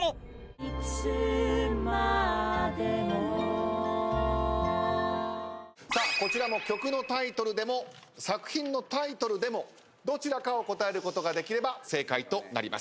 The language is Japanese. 「いつまでも」さあこちらも曲のタイトルでも作品のタイトルでもどちらかを答えることができれば正解となります。